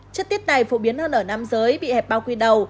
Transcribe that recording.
chất tiết này phổ biến hơn ở nam giới bị hẹp bao quy đầu